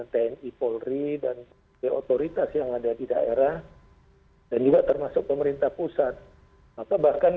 terima kasih pak